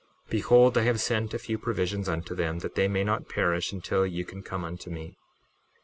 61:16 Behold I have sent a few provisions unto them, that they may not perish until ye can come unto me.